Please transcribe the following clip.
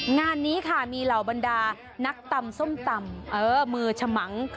งานนี้ค่ะมีเหล่าบรรดานักตำส้มตำมือฉมัง